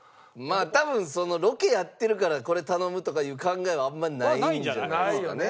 多分ロケやってるからこれ頼むとかいう考えはあんまりないんじゃないですかね。